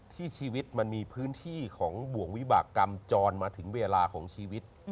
ชีวิตมันมีพื้นที่ของบ่วงวิบากรรมจรมาถึงเวลาของชีวิต